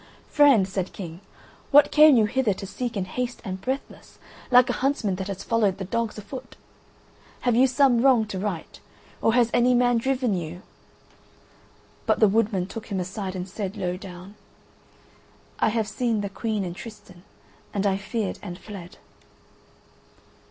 "Friend," said the King, "what came you hither to seek in haste and breathless, like a huntsman that has followed the dogs afoot? Have you some wrong to right, or has any man driven you?" But the woodman took him aside and said low down: "I have seen the Queen and Tristan, and I feared and fled."